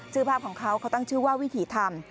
ภาพของเขาเขาตั้งชื่อว่าวิถีธรรม